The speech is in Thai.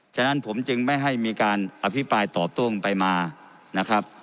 ฉะนั้นผมจึงไม่ให้มีการอภิปรายตอบโต้งไปมานะครับ